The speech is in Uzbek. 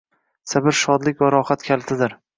Sabr shodlik va rohat kalitidir.